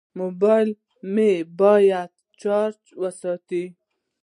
موبایل مو باید چارج وساتو.